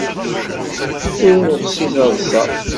Ruɣ seg teḍsa.